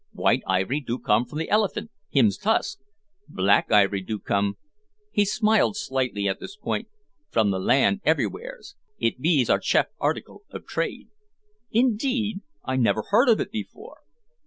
"White ivory do come from the elephant hims tusk; Black Ivory do come," he smiled slightly at this point "from the land everywheres. It bees our chef artikil of trade." "Indeed! I never heard of it before."